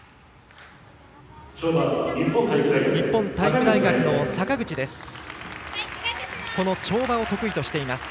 日本体育大学の坂口です。